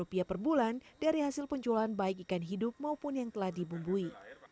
dedy bisa menjual ikan lele setiap bulan dari hasil penjualan baik ikan hidup maupun yang telah dibumbui